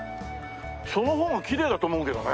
その方がきれいだと思うけどね。